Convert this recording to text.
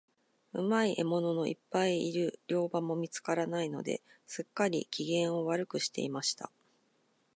うまい獲物のいっぱいいる猟場も見つからないので、すっかり、機嫌を悪くしていました。